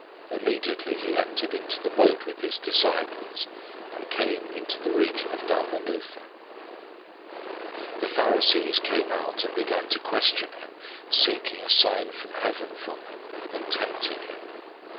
008:010 Immediately he entered into the boat with his disciples, and came into the region of Dalmanutha. 008:011 The Pharisees came out and began to question him, seeking from him a sign from heaven, and testing him.